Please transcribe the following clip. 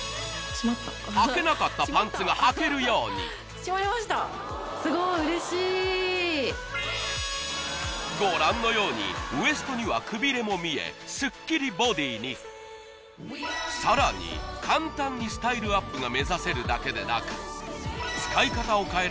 閉まったはけなかったパンツがはけるように閉まりましたすごい嬉しいご覧のようにウエストにはくびれも見えスッキリボディにさらに簡単にスタイルアップが目指せるだけでなく使い方を変えれば